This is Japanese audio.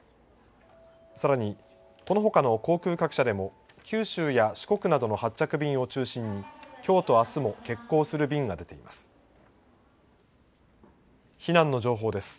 さらに、このほかの航空各社でも、九州や四国などの発着便を中心にきょうとあすも欠航する便が出ています。